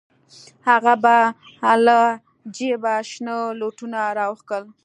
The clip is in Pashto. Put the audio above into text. هغه به له جيبه شنه لوټونه راوکښل.